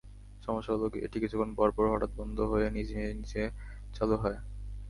সমস্যা হলো এটি কিছুক্ষণ পরপর হঠাৎ বন্ধ হয়ে নিজে নিজে চালু হয়।